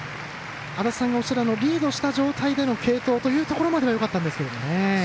足達さんがおっしゃるリードした状態での継投というのはよかったんですけど。